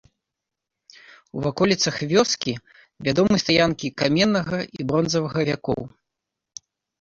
У ваколіцах вёскі вядомы стаянкі каменнага і бронзавага вякоў.